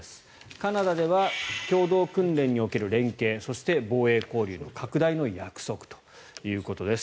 カナダでは共同訓練における連携そして防衛交流の拡大の約束ということです。